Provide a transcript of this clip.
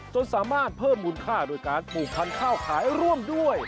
จนสามารถเพิ่มมูลค่าโดยการปลูกพันธุ์ข้าวขายร่วมด้วย